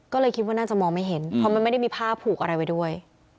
ก็เลยคิดว่าน่าจะมองไม่เห็นเพราะมันไม่ได้มีผ้าผูกอะไรไว้ด้วย